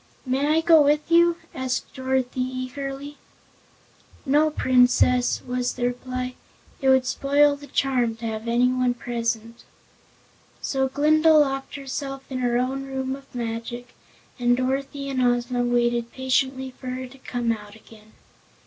"May I go with you?" asked Dorothy, eagerly. "No, Princess," was the reply. "It would spoil the charm to have anyone present." So Glinda locked herself in her own Room of Magic and Dorothy and Ozma waited patiently for her to come out again.